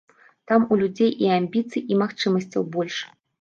Там у людзей і амбіцый і магчымасцяў больш.